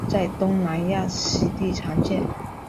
在东南亚湿地常见。